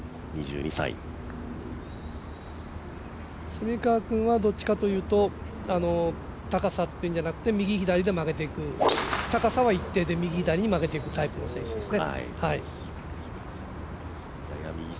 蝉川君はどっちかというと、高さっていうんじゃなくて右左で曲げていく、高さは一定で右左に曲げていく選手ですね。